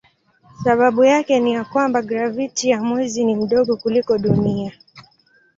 Sababu yake ni ya kwamba graviti ya mwezi ni ndogo kuliko duniani.